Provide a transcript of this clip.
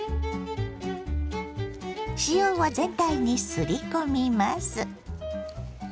塩を全体にすり込みます。